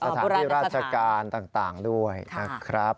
สถานที่ราชการต่างด้วยนะครับ